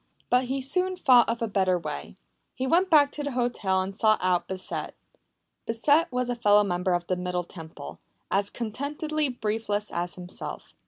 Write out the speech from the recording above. But he soon thought of a better way. He went back to the hotel and sought out Bissett. Bissett was a fellow member of the Middle Temple, as contentedly briefless as himself.